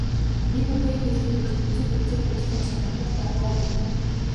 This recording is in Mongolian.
Нэг үгээр хэлэхэд ертөнцийг үзэх үзлий нь сонирхож байгаа юм.